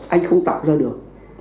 anh không tạo ra được